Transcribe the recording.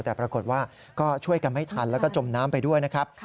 แต่ปรากฏว่าก็ช่วยกันไม่ทันแล้วก็จมน้ำไปด้วยนะครับ